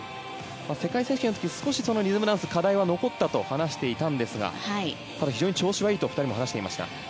世界選手権の時リズムダンスは課題は残ったと話していたんですが、ただ非常に調子はいいと２人は話していました。